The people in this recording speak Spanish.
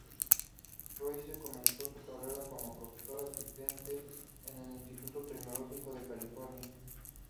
Royce comenzó su carrera como profesor asistente en el Instituto Tecnológico de California.